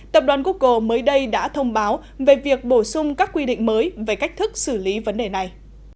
tập đoàn google mới đây đã thông báo về việc bổ sung các quy định mới về cách thức xử lý vấn đề này